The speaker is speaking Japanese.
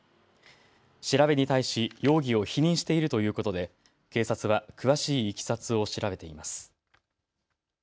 調べに対し容疑を否認しているということで警察は詳しいいきさつを調べています。